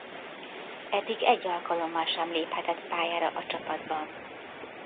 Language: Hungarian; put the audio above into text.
Eddig egy alkalommal sem léphetett pályára a csapatban.